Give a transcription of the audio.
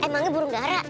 emangnya burung darah